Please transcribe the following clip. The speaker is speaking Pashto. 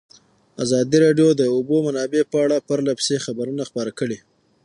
ازادي راډیو د د اوبو منابع په اړه پرله پسې خبرونه خپاره کړي.